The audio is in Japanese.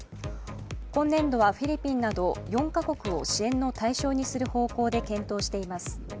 今年度はフィリピンなど４か国を支援の対象にする方向で検討しています。